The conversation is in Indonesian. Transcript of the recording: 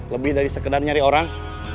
lebih dari sekedar nyari orang